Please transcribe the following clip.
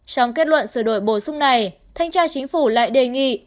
trong kết luận sửa đổi bổ sung này thanh tra chính phủ lại đề nghị